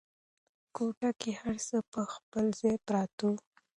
کوټه کې هر څه پر خپل ځای پراته وو.